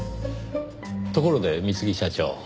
ところで三次社長。